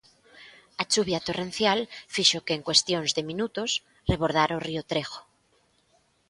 A chuvia torrencial fixo que en cuestións de minutos rebordara o río Trejo.